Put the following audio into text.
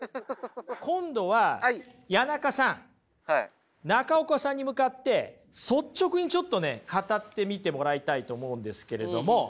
今度は谷中さん中岡さんに向かって率直にちょっとね語ってみてもらいたいと思うんですけれども。